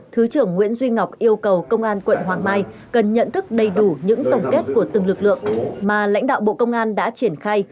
thứ trưởng nguyễn duy ngọc yêu cầu công an quận hoàng mai cần nhận thức đầy đủ những tổng kết của từng lực lượng mà lãnh đạo bộ công an đã triển khai